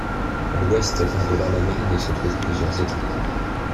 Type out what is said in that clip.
À l'ouest, par-delà la Marne, se trouvent plusieurs étangs.